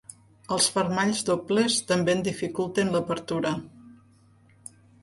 Els fermalls dobles també en dificulten l'apertura.